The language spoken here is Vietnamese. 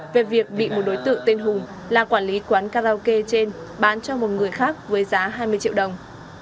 về việc bị một đối tượng tên hùng là quản lý quán karaoke trên bán cho một người khác với giá hai mươi triệu đồng